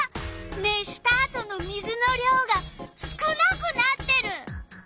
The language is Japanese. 熱したあとの水の量が少なくなってる。